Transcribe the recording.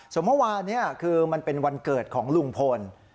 ส่วนเมื่อวานนี้คือมันเป็นวันเกิดของลุงพล